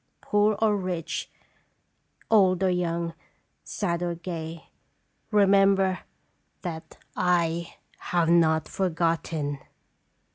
Poor or rich, old or young, sad or gay, remember that I have not forgot ten.'"